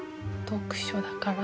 「読書」だから。